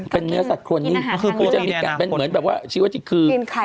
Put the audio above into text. เป็นเนื้อสัตว์โคลนิ่งเพราะจะมีการเป็นเหมือนแบบว่าชิคกี้พายคือกินไข่